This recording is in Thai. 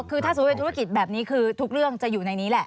อ๋อคือถ้าธุรกิจแบบนี้คือทุกเรื่องจะอยู่ในนี้แหละ